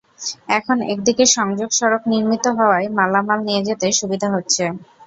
এখন একদিকে সংযোগ সড়ক নির্মিত হওয়ায় মালামাল নিয়ে যেতে সুবিধা হচ্ছে।